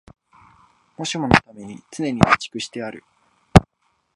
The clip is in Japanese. もしものために常に備蓄してある